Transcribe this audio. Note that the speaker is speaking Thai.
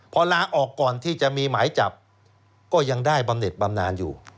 พอลาออกก่อนที่จะมีหมายจับก็ยังได้บำเน็ตบำนานอยู่